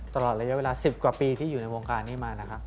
ตลอดระยะเวลา๑๐กว่าปีที่อยู่ในวงการนี้มานะครับ